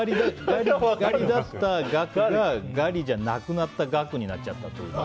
ガリだったガクがガリじゃなくなったガクになっちゃったってことね。